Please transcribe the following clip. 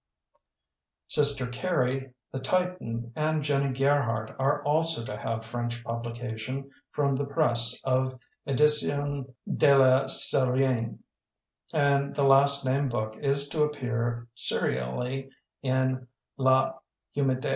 "Sister Carrie", "The Titan", and "Jennie Gerhardt" are also to have French publication from the press of "Editions de la Sir^ne", and the last named book is to appear seri ally in "L'Humanit^".